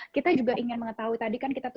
kita juga ingin mengetahui tadi kan kita